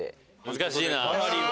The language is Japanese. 難しいな。